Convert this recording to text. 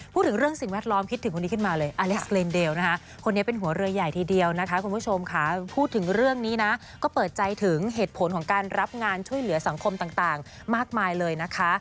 พูดถึงเรื่องสิ่งแวดล้อมพิจถึงคนนี้ขึ้นมาเลย